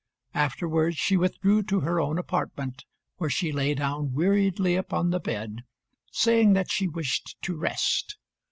Afterwards she withdrew to her own apartment, where she lay down weariedly upon the bed, saying that she wished to rest.